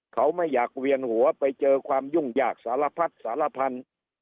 เขาไม่อยากเวียนหัวไปเจอความยุ่งยากสารพัดสารพันธุ์